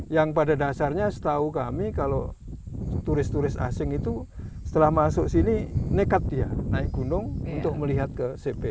yang pada dasarnya setahu kami kalau turis turis asing itu setelah masuk sini nekat dia naik gunung untuk melihat ke cp